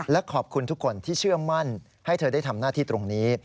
และขอบคุณทุกคนที่เชื่อมั่นให้เธอได้ทำหน้าที่ตรงนี้